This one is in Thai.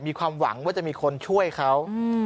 มีความหวังว่าจะมีคนช่วยเขา